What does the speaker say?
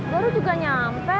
baru juga nyampe